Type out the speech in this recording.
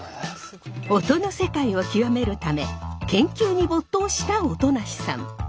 音の世界を究めるため研究に没頭した音無さん。